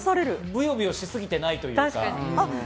ぶよぶよしすぎてないというか。